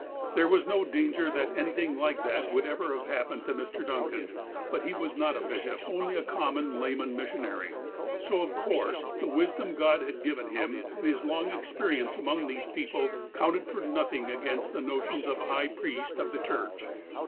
There was no danger that anything like that ever could have happened to Mr. Duncan. But he was not a bishop — only a common layman missionary. So, of course, the wisdom God had given him, and his long experience among these people, counted for nothing against the notions of a " high priest of the Church."